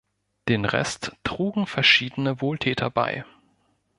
Den Rest trugen verschiedene Wohltäter bei.